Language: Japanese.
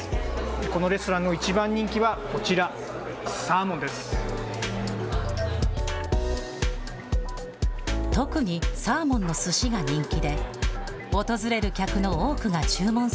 このレストランのいちばん人気はこちら、サーモンです。